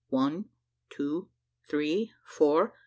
"One, two, three, four.